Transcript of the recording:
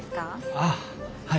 ああはい。